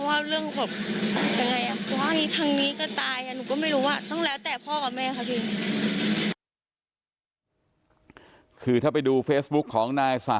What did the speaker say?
อันนี้หนูก็ไม่รู้แล้วแต่ผู้ใหญ่ค่ะ